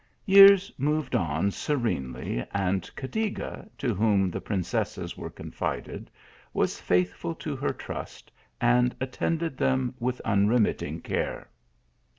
Years moved on serenely, and Cadiga, to whum the princesses were confided, was faithful to he\ irust and attended them with unremitting :are.